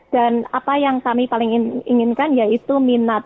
dan apa yang kami paling inginkan yaitu minat